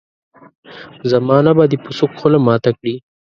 زمانه به دي په سوک خوله ماته کړي.